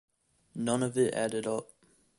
None of it added up.